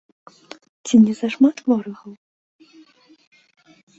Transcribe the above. Ці не зашмат ворагаў?